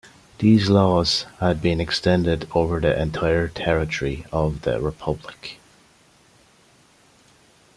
These laws had been extended over the entire territory of the republic.